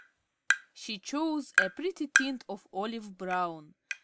She chose a pretty tint of olive brown.